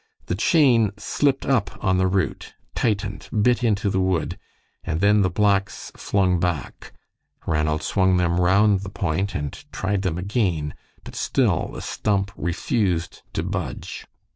The chain slipped up on the root, tightened, bit into the wood, and then the blacks flung back. Ranald swung them round the point and tried them again, but still the stump refused to budge.